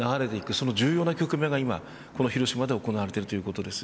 その重要な局面が広島で行われているということです。